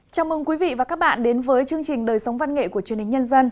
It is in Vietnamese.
chào mừng quý vị và các bạn đến với chương trình đời sống văn nghệ của truyền hình nhân dân